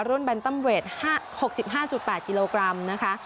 แบนตั้มเวท๖๕๘กิโลกรัมนะคะ